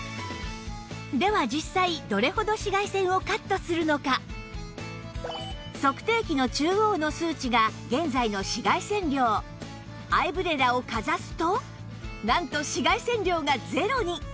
では実際測定器の中央の数値が現在の紫外線量アイブレラをかざすとなんと紫外線量がゼロに！